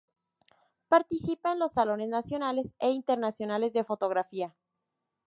Participa en los Salones Nacionales e Internacionales de Fotografía.